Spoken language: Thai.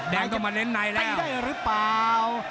แดงต้องมาเร่่นไหนแล้วไปได้รึเปล่า